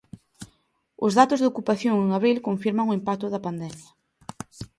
Os datos da ocupación en abril confirman o impacto da pandemia.